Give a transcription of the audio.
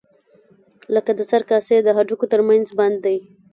لکه د سر د کاسې د هډوکو تر منځ بند دی.